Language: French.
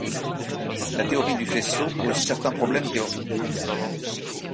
La théorie du faisceau pose certains problèmes théoriques.